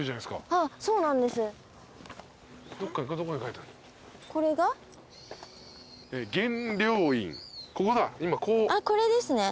あっこれですね。